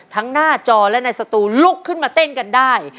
หน้าจอและในสตูลุกขึ้นมาเต้นกันได้